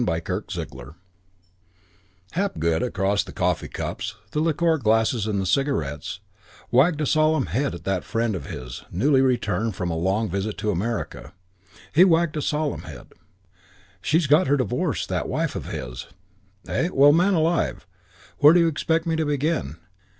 CHAPTER VIII I Hapgood across the coffee cups, the liqueur glasses and the cigarettes, wagged a solemn head at that friend of his, newly returned from a long visit to America. He wagged a solemn head: "She's got her divorce, that wife of his.... "Eh?... Well, man alive, where do you expect me to begin?